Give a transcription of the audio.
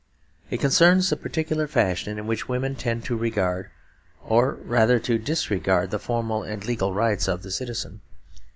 It concerns the particular fashion in which women tend to regard, or rather to disregard, the formal and legal rights of the citizen.